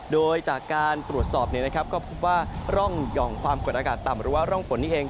โดยจากการตรวจสอบก็พบว่าร่องหย่อมความกดอากาศต่ำหรือว่าร่องฝนนี้เอง